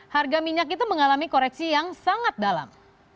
harga minyak itu mengalami koreksi yang sangat dalam